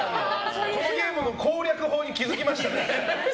このゲームの攻略法に気づきましたね。